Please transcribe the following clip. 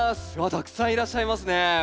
たくさんいらっしゃいますね。